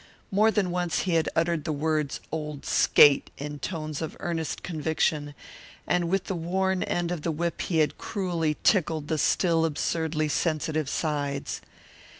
More than once he had uttered the words "old skate" in tones of earnest conviction, and with the worn end of the whip he had cruelly tickled the still absurdly sensitive sides.